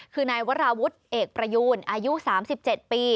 คือนายวราวุฒิเอกประยูนอายุ๓๗ปี